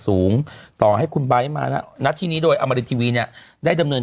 สูงต่อให้คุณไบท์มาณที่นี้โดยอมรินทีวีเนี่ยได้ดำเนิน